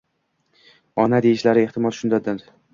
ona deyishlari, ehtimol, shundandir.